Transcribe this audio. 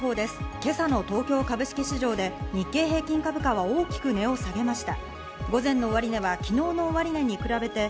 今朝の東京株式市場で日経平均株価は大きく値を下げました。